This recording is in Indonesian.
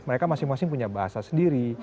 mereka masing masing punya bahasa sendiri